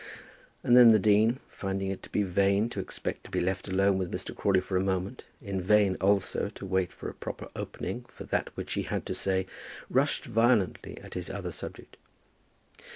And then the dean, finding it to be vain to expect to be left alone with Mr. Crawley for a moment, in vain also to wait for a proper opening for that which he had to say, rushed violently at his other subject.